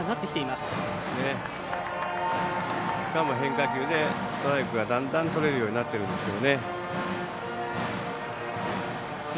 しかも変化球でストライクがだんだんとれるようになってるんですけど。